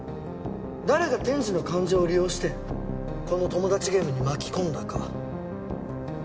誰が天智の感情を利用してこのトモダチゲームに巻き込んだか。